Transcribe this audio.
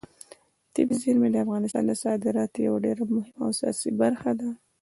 طبیعي زیرمې د افغانستان د صادراتو یوه ډېره مهمه او اساسي برخه ده.